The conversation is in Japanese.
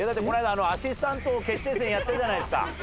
この間アシスタント決定戦やったじゃないですか。